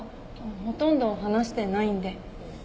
ほとんど話してないんで。